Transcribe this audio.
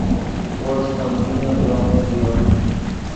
وو ݰے خوئے نینے ڤرومے ڤیو